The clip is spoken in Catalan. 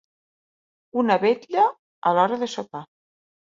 Una vetlla, a l'hora de sopar.